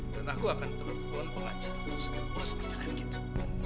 dan aku akan telepon pengacara untuk segera urus pencerahan kita